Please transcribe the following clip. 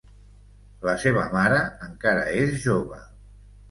La seva mare encara és jove.